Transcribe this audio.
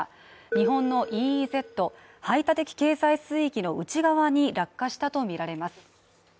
日本のＥＥＺ＝排他的経済水域の内側に落下したとみられます。